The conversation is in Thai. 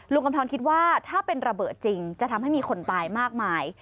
กำทรคิดว่าถ้าเป็นระเบิดจริงจะทำให้มีคนตายมากมาย